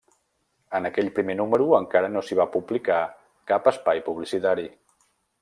En aquell primer número encara no s'hi va publicar cap espai publicitari.